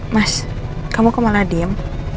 mas kamu kok malah diem